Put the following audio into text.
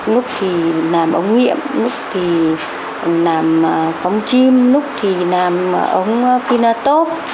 lúc thì làm ống nghiệm lúc thì làm cống chim lúc thì làm ống philatop